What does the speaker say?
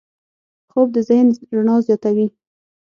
خوب د ذهن رڼا زیاتوي